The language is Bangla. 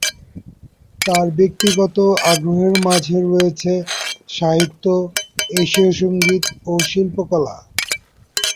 তার ব্যক্তিগত আগ্রহের মাঝে রয়েছে সাহিত্য, এশীয় সঙ্গীত, এবং শিল্পকলা।